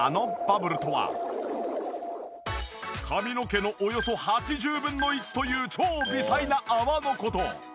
髪の毛のおよそ８０分の１という超微細な泡の事。